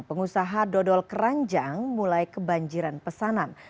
pengusaha dodol keranjang mulai kebanjiran pesanan